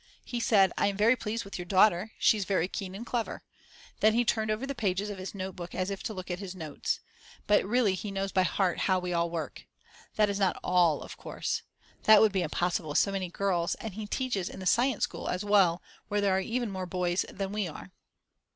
He said: I am very pleased with your daughter; she's very keen and clever. Then he turned over the pages of his notebook as if to look at his notes. But really he knows by heart how we all work. That is not all of course. That would be impossible with so many girls; and he teaches in the science school as well where there are even more boys than we are.